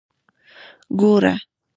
ګوره.